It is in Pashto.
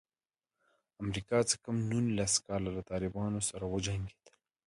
امریکا څه کم نولس کاله له طالبانو سره وجنګېده.